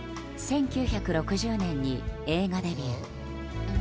１９６０年に映画デビュー。